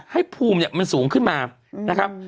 ภูมิเนี่ยมันสูงขึ้นมานะครับ